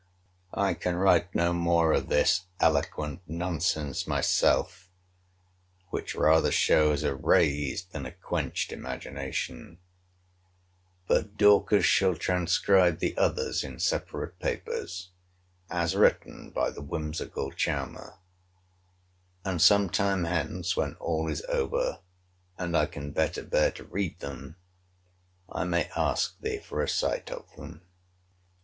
I can write no more of this eloquent nonsense myself; which rather shows a raised, than a quenched, imagination: but Dorcas shall transcribe the others in separate papers, as written by the whimsical charmer: and some time hence when all is over, and I can better bear to read them, I may ask thee for a sight of them.